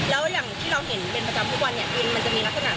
และอย่างที่เราเห็นเป็นประจำทุกวันมันจะมีลักษณะแบบไหนของวินหรืออะไรแบบไหน